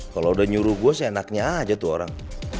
kalau udah nyuruh gue sih enaknya aja tuh orang